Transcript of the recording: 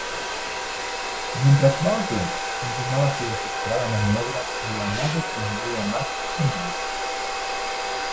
Mientras Bartlett continuaba su desesperada maniobra, la nave se hundía más y más.